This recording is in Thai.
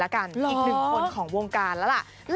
แม่เลยละกันอีกหนึ่งคนของวงการแล้วล่ะ